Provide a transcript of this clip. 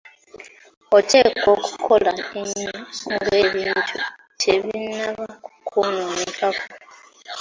Oteekwa okukola ennyo nga ebintu tebinnaba kukwonoonekako.